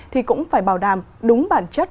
thì cũng phải bảo đảm đúng bản chất